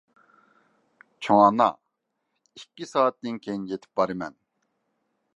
چوڭ ئانا، ئىككى سائەتتىن كېيىن يېتىپ بارىمەن.